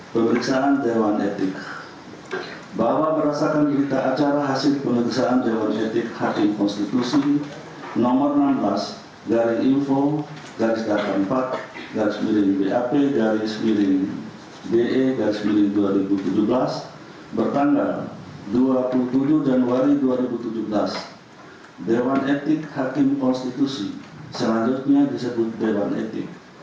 pada tahun dua ribu tujuh belas bertandang dua puluh tujuh januari dua ribu tujuh belas dewan etik hakim konstitusi selanjutnya disebut dewan etik